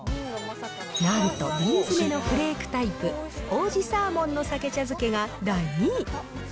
なんと瓶詰のフレークタイプ、王子サーモンのさけ茶漬が第２位。